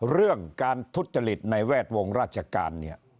เรื่องการทุจริตในแวดวงราชการเนี่ย